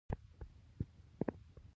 سنگ مرمر د افغانانو د تفریح یوه وسیله ده.